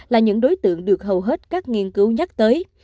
là những đối tượng được hầu hết các nghiên cứu nhắc tới